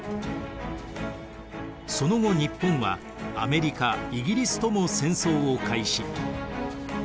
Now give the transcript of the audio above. その後日本はアメリカイギリスとも戦争を開始